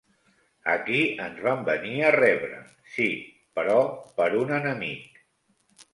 Aquí ens van venir a rebre, sí, però per un enemic.